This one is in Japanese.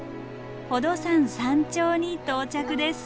宝登山山頂に到着です。